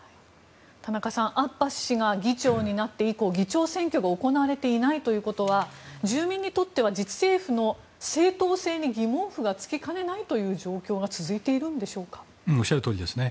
田中さん、アッバス氏が議長になって以降議長選挙が行われていないということは住民にとっては自治政府の正当性に疑問符が付きかねない状況がおっしゃるとおりですね。